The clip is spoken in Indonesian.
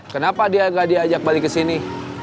kenapa dia tidak diajak balik ke sini